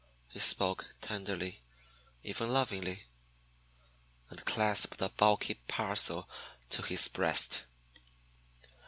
He spoke tenderly, even lovingly, and clasped the bulky parcel to his breast.